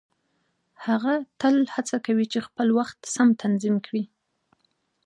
هغه تل هڅه کوي چې خپل وخت سم تنظيم کړي.